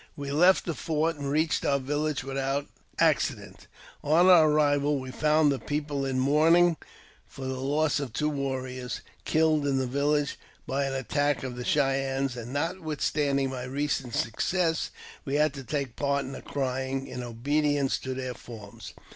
|l We left the fort, and reached our village without accident On our arrival we found the people in mourning for the loss oi two warriors, killed in the village by an attack of the Chey ennes ; and, notwithstanding my recent success, we had take part in the crying, in obedience to their forms.